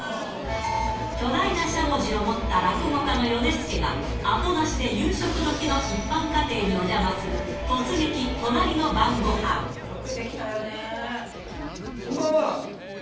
巨大なしゃもじを持った落語家のヨネスケが、アポなしで夕食どきの一般家庭にお邪魔する、こんばんは。